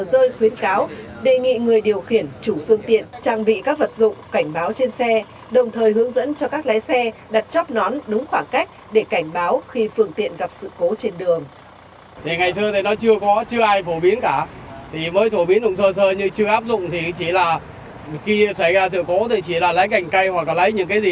rơi khuyến cáo đề nghị người điều khiển chủ phương tiện trang bị các vật dụng cảnh báo trên xe